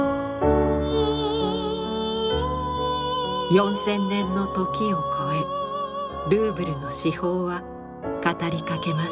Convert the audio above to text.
４，０００年の時を超えルーブルの至宝は語りかけます。